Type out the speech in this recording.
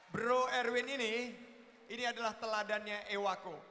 bro erwin ini ini adalah teladannya ewako